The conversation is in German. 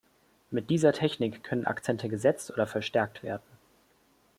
Mit dieser Technik können Akzente gesetzt oder verstärkt werden.